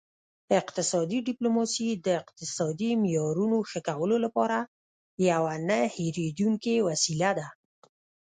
اقتصادي ډیپلوماسي د اقتصادي معیارونو ښه کولو لپاره یوه نه هیریدونکې وسیله ده